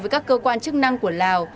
với các cơ quan chức năng của lào